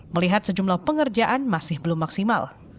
melihat sejumlah pengerjaan masih belum maksimal